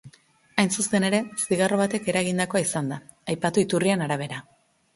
Hain zuzen ere, zigarro batek eragindakoa izan da, aipatu iturrien arabea.